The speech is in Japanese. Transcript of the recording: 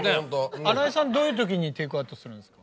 新井さんどういうときにテイクアウトするんですか？